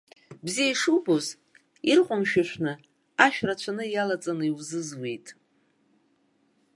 Бзиа ишубоз, ирҟәымшәышәны, ашә рацәаны иалаҵаны иузызуит.